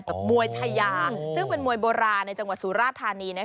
มวยชายาซึ่งเป็นมวยโบราณในจังหวัดสุราธานี